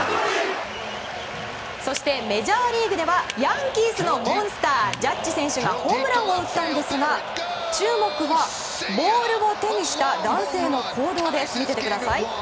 そして、メジャーリーグではヤンキースのモンスタージャッジ選手がホームランを打ったんですが注目はボールを手にした男性の行動です見ててください。